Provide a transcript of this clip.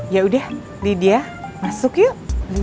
ya udah lydia masuk yuk